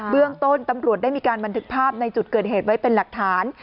เรื่องต้นตำรวจได้มีการบันทึกภาพในจุดเกิดเหตุไว้เป็นหลักฐาน